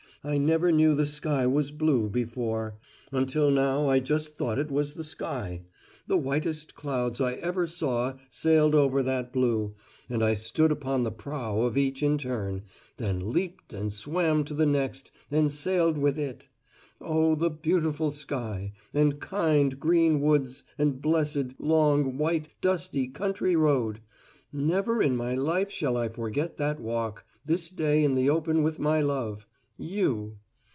I never knew the sky was blue, before. Until now I just thought it was the sky. The whitest clouds I ever saw sailed over that blue, and I stood upon the prow of each in turn, then leaped in and swam to the next and sailed with it! Oh, the beautiful sky, and kind, green woods and blessed, long, white, dusty country road! Never in my life shall I forget that walk this day in the open with my love You!